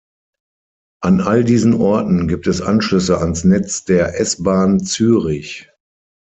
An all diesen Orten gibt es Anschlüsse ans Netz der S-Bahn Zürich.